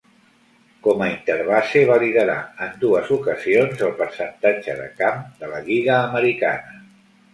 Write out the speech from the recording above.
Com a interbase, va liderar en dues ocasions el percentatge de camp de la lliga americana.